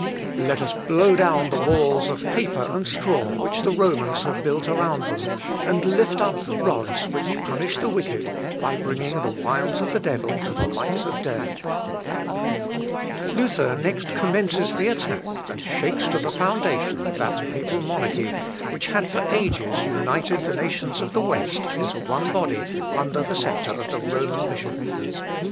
Let us blow down the walls of paper and straw which the Romans have built around them, and lift up the rods which punish the wicked, by bringing the wiles of the devil to the light of day." Luther next commences the attack, and shakes to the foundation that papal monarchy which had for ages united the nations of the West into one body under the sceptre of the Roman bishop.